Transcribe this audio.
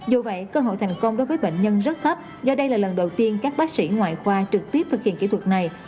dù vậy cơ hội thành công đối với bệnh nhân rất thấp do đây là lần đầu tiên các bác sĩ ngoại khoa trực tiếp thực hiện kỹ thuật này